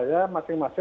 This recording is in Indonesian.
yang apa ya